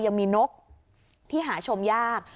ยังมีนกที่หาชมยาก